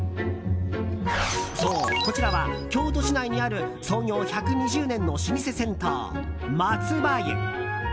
そう、こちらは京都市内にある創業１２０年の老舗銭湯、松葉湯。